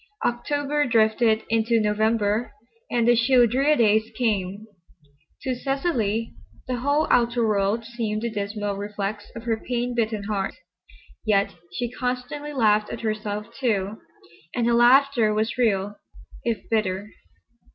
October drifted into November and the chill, drear days came. To Cecily the whole outer world seemed the dismal reflex of her pain bitten heart. Yet she constantly laughed at herself, too, and her laughter was real if bitter.